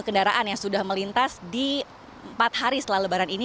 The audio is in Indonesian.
kendaraan yang sudah melintas di empat hari setelah lebaran ini